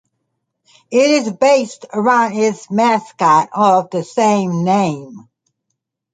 It is based around its mascot of the same name.